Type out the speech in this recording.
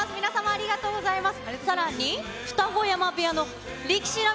ありがとうございます。